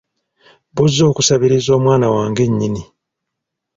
Buzze okusabiriza omwana wange nnyini!